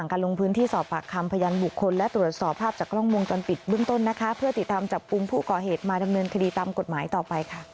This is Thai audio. ขอบคุณครับ